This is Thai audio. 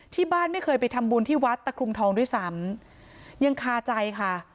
ไม่เคยไปทำบุญที่วัดตะคลุมทองด้วยซ้ำยังคาใจค่ะ